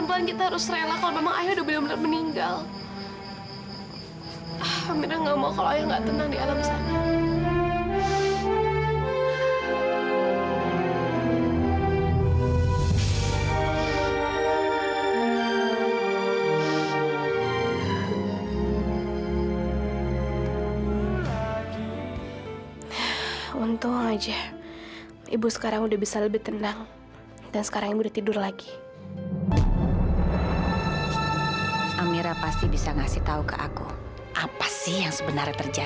amirah gak mau kalau ayah gak tenang di alam sana